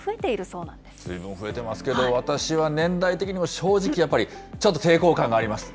ずいぶん増えてますけど、私は年代的にも正直やっぱり、ちょっと抵抗感があります。